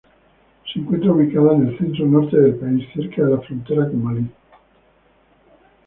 Se encuentra ubicada en el centro-norte del país, cerca de la frontera con Malí.